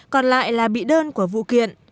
còn lại là bị đơn của vụ kiện